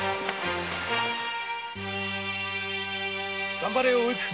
頑張れよおいく！